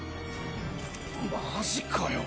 マジかよ